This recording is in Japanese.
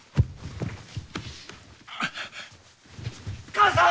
母さん！